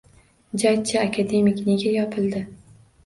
«Jajji akademik» nega yopildi?